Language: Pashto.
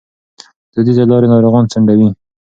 دودیزې لارې ناروغان ځنډوي.